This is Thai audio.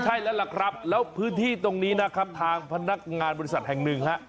ใช่แล้วล่ะครับแล้วพื้นที่ตรงนี้นะครับทางพนักงานบริษัทแห่งหนึ่งฮะ